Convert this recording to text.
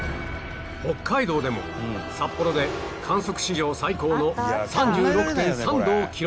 北海道でも札幌で観測史上最高の ３６．３ 度を記録